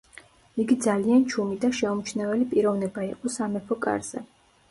იგი ძალიან ჩუმი და შეუმჩნეველი პიროვნება იყო სამეფო კარზე.